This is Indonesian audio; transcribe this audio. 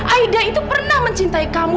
aida itu pernah mencintai kamu